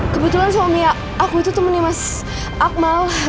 kebetulan suami aku itu temennya mas akmal